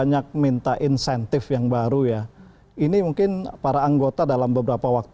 jadi saya cuma mau perhatikan ekspot